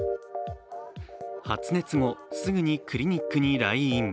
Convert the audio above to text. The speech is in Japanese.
発熱後、すぐにクリニックに来院。